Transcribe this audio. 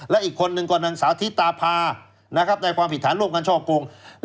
แล้วอีกคนนึงก็หนังสาวธิตาพานะครับในความผิดฐานรวมกันช่อกงยักษ์